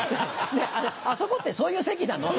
あそこってそういう席なの？